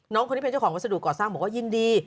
คนที่เป็นเจ้าของวัสดุก่อสร้างบอกว่ายินดี